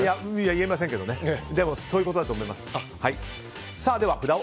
言えませんがでも、そういうことだと思います。